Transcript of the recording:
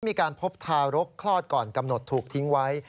มีการพบทารกคลอดก่อนกำหนดถูกทิ้งไว้